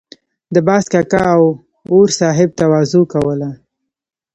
د باز کاکا او اور صاحب تواضع کوله.